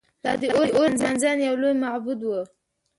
دا د اور لمانځنې یو لوی معبد و